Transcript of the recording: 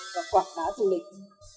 và quảng phá du lịch